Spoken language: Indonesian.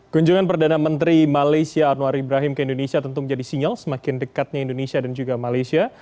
kunjungan perdana menteri malaysia anwar ibrahim ke indonesia tentu menjadi sinyal semakin dekatnya indonesia dan juga malaysia